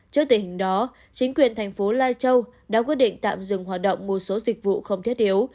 trước tình hình đó chính quyền thành phố lai châu đã quyết định tạm dừng hoạt động một số dịch vụ không thiết yếu